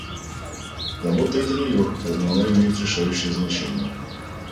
Работа эта нелегкая, но она имеет решающее значение.